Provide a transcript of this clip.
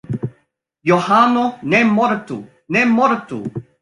Johano ne mortu! Ne mortu!